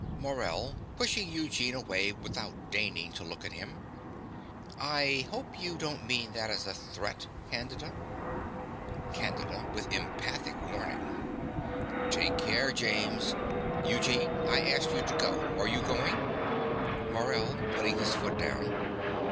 MORELL (pushing Eugene away without deigning to look at him). I hope you don't mean that as a threat, Candida. CANDIDA (with emphatic warning). Take care, James. Eugene: I asked you to go. Are you going? MORELL (putting his foot down).